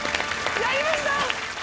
やりました！